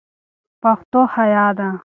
پښتو حیا ده